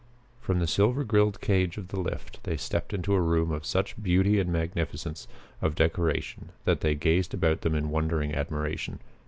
From the silver grilled cage of the lift they stepped into a room of such beauty and magnificence of decoration that they gazed about them in wondering admiration.